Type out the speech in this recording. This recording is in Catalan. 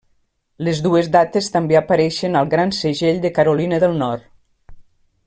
Les dues dates també apareixen al Gran Segell de Carolina del Nord.